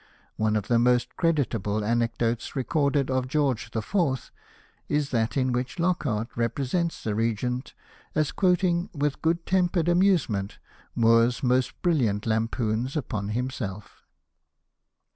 One of the most creditable anecdotes recorded of George IV., is that in which Lockhart represents the Regent as quoting with good tempered amusement Moore's most brilliant lampoons upon himself.